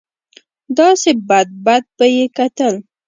داسې بد بد به یې کتل.